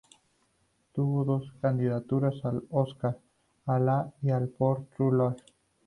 Tuvo dos candidaturas a los Óscar: a la y a la por "True Love".